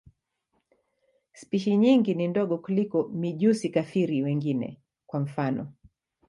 Spishi nyingi ni ndogo kuliko mijusi-kafiri wengine, kwa mfano.